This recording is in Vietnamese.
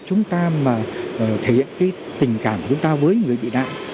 chúng ta mà thể hiện cái tình cảm của chúng ta với người bị nạn